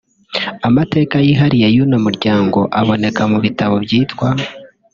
Amateka yihariye y’uno muryango aboneka mu bitabo byitwa